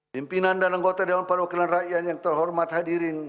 pimpinan dan anggota dewan perwakilan rakyat yang terhormat hadirin